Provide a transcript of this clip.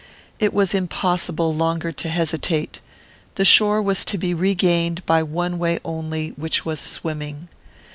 It was impossible longer to hesitate. The shore was to be regained by one way only, which was swimming.